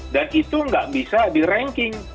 dan itu nggak bisa di ranking